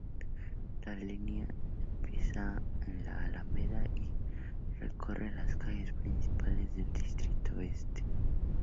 La línea empieza en la Alameda, y recorre las calles principales del distrito este.